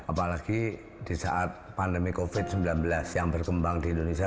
apalagi di saat pandemi covid sembilan belas yang berkembang di indonesia